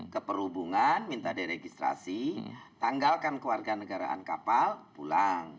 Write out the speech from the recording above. ke perhubungan minta diregistrasi tanggalkan kewarganegaraan kapal pulang